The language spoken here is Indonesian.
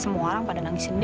semua orang pada nangisin dewi